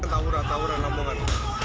tau tau lah tau tau lah lamongan